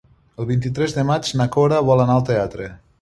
El vint-i-tres de maig na Cora vol anar al teatre.